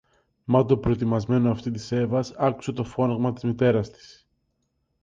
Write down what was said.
Μα το προετοιμασμένο αυτί της Εύας άκουσε το φώναγμα της μητέρας της